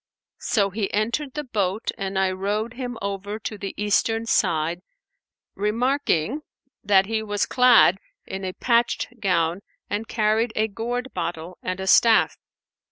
So he entered the boat and I rowed him over to the eastern side, remarking that he was clad in a patched gown and carried a gourd bottle and a staff.